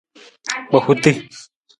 Kpahuta.